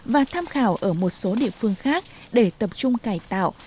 và tham khảo ở một số địa phương khác để tập trung cải tạo